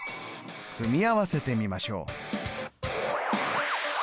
組み合わせてみましょう。